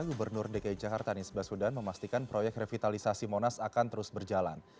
gubernur dki jakarta nisbah sudan memastikan proyek revitalisasi monas akan terus berjalan